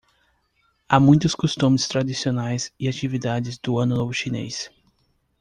Há muitos costumes tradicionais e atividades do Ano Novo Chinês